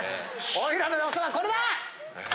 おいらの予想はこれだ！